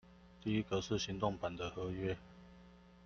第一個是行動版的合約